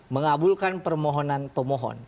mengabulkan permohonan pemohon